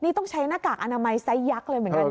นี่ต้องใช้หน้ากากอนามัยไซสยักษ์เลยเหมือนกันนะ